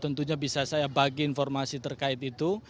tentunya bisa saya bagi informasi terkait itu